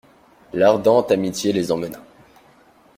L'Ardente-Amitié les emmena.